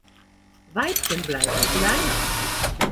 Weibchen bleiben kleiner.